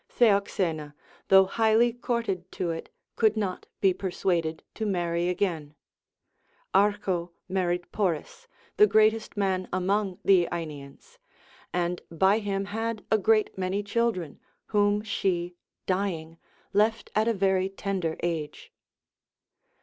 Theoxena, though highly courted to it, could not be persuaded to marry again: Archo married Poris, the greatest man among the AEnians, and by him had a great many children, whom she, dying, left at a very tender age.